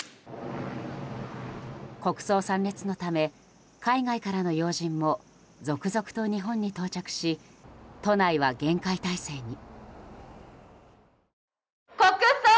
国葬参列のため海外からの要人も続々と日本に到着し都内は厳戒態勢に。